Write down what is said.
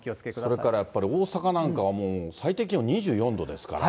それからやっぱり大阪なんかは最低気温２４度ですから。